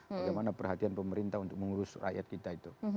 bagaimana perhatian pemerintah untuk mengurus rakyat kita itu